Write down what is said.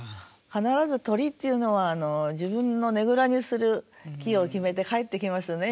必ず鳥っていうのは自分のねぐらにする木を決めて帰ってきますよね